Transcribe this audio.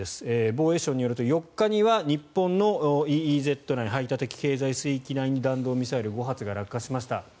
防衛省によると、４日には日本のＥＥＺ・排他的経済水域内に弾道ミサイル５発が落下しました。